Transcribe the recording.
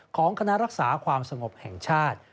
ของคณะรักษาความสงบแห่งชาติ